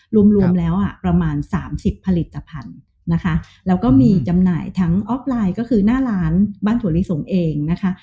รวมรวมแล้วอ่ะประมาณสามสิบผลิตภัณฑ์นะคะแล้วก็มีจำหน่ายทั้งออฟไลน์ก็คือหน้าร้านบ้านถั่วลิสงเองนะคะ